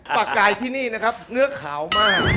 ปากกายที่นี่นะครับเนื้อขาวมาก